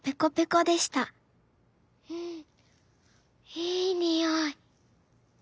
いいにおい！